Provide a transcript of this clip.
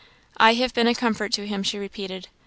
"I have been a comfort to him," she repeated.